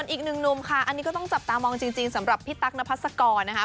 อีกหนึ่งหนุ่มค่ะอันนี้ก็ต้องจับตามองจริงสำหรับพี่ตั๊กนพัศกรนะคะ